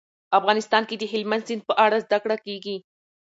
افغانستان کې د هلمند سیند په اړه زده کړه کېږي.